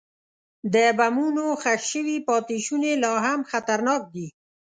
د بمونو ښخ شوي پاتې شوني لا هم خطرناک دي.